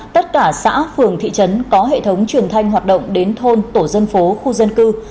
tất cả xã phường thị trấn có hệ thống truyền thanh hoạt động đến thôn tổ dân phố khu dân cư